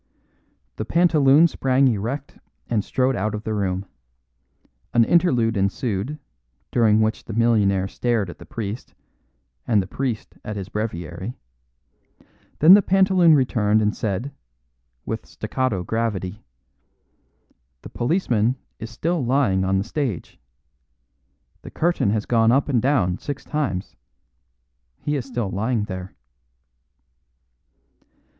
The pantaloon sprang erect and strode out of the room. An interlude ensued, during which the millionaire stared at the priest, and the priest at his breviary; then the pantaloon returned and said, with staccato gravity, "The policeman is still lying on the stage. The curtain has gone up and down six times; he is still lying there."